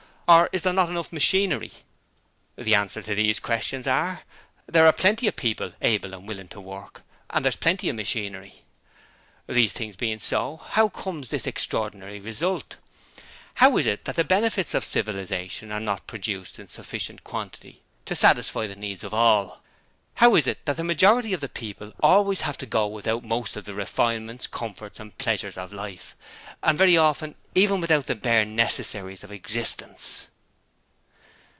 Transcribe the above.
Or is there not enough machinery? 'The answers to these questions are There are plenty of people able and willing to work, and there is plenty of machinery! 'These things being so, how comes this extraordinary result? How is it that the benefits of civilization are not produced in sufficient quantity to satisfy the needs of all? How is it that the majority of the people always have to go without most of the refinements, comforts, and pleasures of life, and very often without even the bare necessaries of existence?